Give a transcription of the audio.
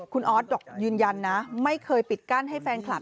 คุณออสยืนยันนะไม่เคยปิดกั้นให้แฟนคลับ